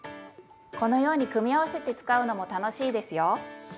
このように組み合わせて使うのも楽しいですよ。